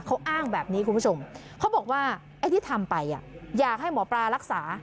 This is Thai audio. เขาอ้างแบบนี้คุณผู้ชมเขาบอกว่าไอ้ที่ทำไปอยากให้หมอปลารักษา